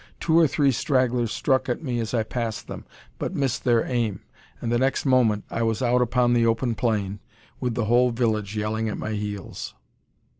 Two or three stragglers struck at me as I passed them, but missed their aim; and the next moment I was out upon the open plain, with the whole village yelling at my heels.